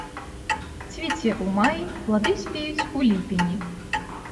Цвіце ў маі, плады спеюць у ліпені.